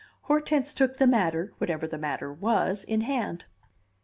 Hortense took the matter whatever the matter was in hand.